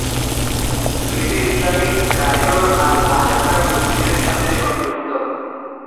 এটি ইসলামিক কায়রোর আল-আজহার মসজিদের সাথে সংযুক্ত।